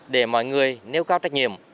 để mọi người nêu cao trách nhiệm